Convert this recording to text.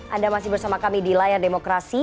anda masih bersama kami di layar demokrasi